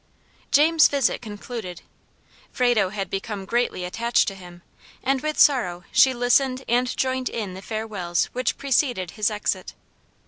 JAMES' visit concluded. Frado had become greatly attached to him, and with sorrow she listened and joined in the farewells which preceded his exit.